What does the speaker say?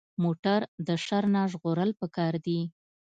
موټر د شر نه ژغورل پکار دي.